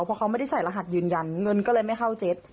เพราะเขาไม่ได้ใส่รหัสยืนยันเงินก็เลยไม่เข้าเจ็ต